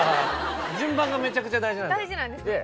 順番がめちゃくちゃ大事なんで。